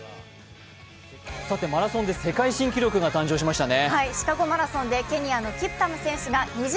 マラソンで世界新記録が誕生しましたね。